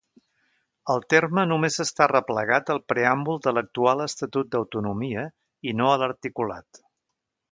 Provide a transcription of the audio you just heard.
El terme només està arreplegat al preàmbul de l'actual Estatut d'Autonomia i no a l'articulat.